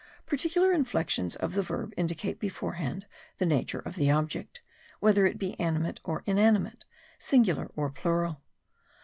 Particular inflexions of the verb indicate beforehand the nature of the object, whether it be animate or inanimate, singular or plural.